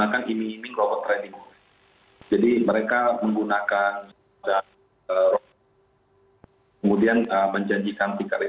kemudian beli dan dimulai